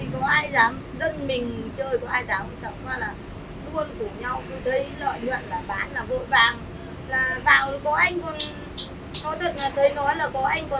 nhưng mình chơi có ai giáo không chẳng qua là luôn của nhau